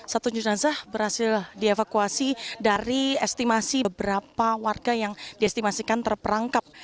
satu jenazah berhasil dievakuasi dari estimasi beberapa warga yang diestimasikan terperangkap